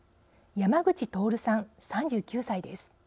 山口徹さん、３９歳です。